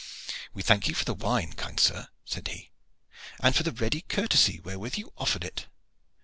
"We thank you for the wine, kind sir," said he, "and for the ready courtesy wherewith you offered it.